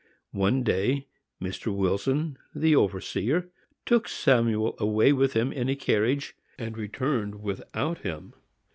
One day, Mr. Wilson, the overseer, took Samuel away with him in a carriage, and returned without him.